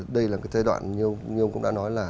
đây là cái giai đoạn như ông cũng đã nói là